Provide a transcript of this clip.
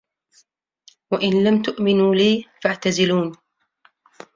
وَإِن لَم تُؤمِنوا لي فَاعتَزِلونِ